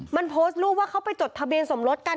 มันโพสต์รูปว่าเขาไปจดทะเบียนสมรสกัน